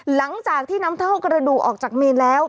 หลังจากที่นำเท่ากระดูกออกจากเมนแล้ว